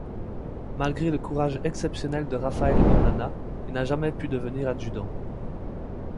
Malgré le courage exceptionnel de Raphaël Onana, il n'a jamais pu devenir adjudant.